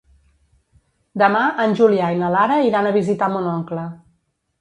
Demà en Julià i na Lara iran a visitar mon oncle.